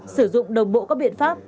sử dụng đồng bộ các biện pháp